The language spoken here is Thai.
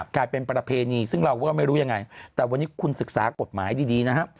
กลายเป็นประเพณีซึ่งเราก็ไม่รู้ยังไงแต่วันนี้คุณศึกษากฎหมายดีนะครับ